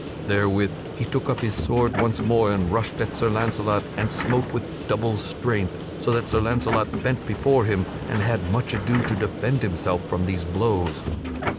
Therewith he took up his sword once more and rushed at Sir Launcelot and smote with double strength, so that Sir Launcelot bent before him and had much ado to defend himself from these blows.